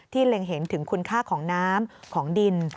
เล็งเห็นถึงคุณค่าของน้ำของดิน